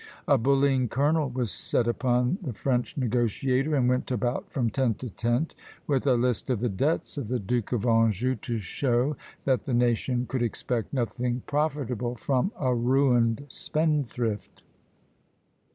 A bullying colonel was set upon the French negotiator, and went about from tent to tent with a list of the debts of the Duke of Anjou, to show that the nation could expect nothing profitable from a ruined spendthrift.